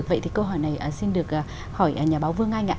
vậy thì câu hỏi này xin được hỏi nhà báo vương anh ạ